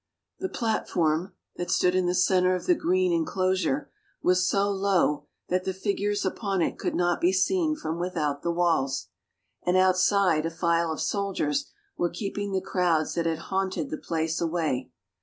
The platform, that stood in the center of the green enclosure, was so low that the figures upon it could not be seen from without the walls, and outside a file of soldiers were keep ing the crowds that had haunted the place away.